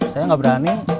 saya gak berani